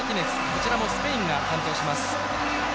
こちらもスペインが担当します。